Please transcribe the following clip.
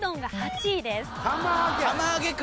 釜揚げか！